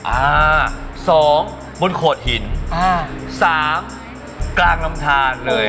อ่า๒บนโคดหิน๓กลางลำทานเลย